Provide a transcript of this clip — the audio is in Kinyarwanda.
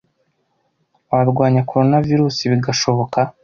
warwanya corona virus bigashoboka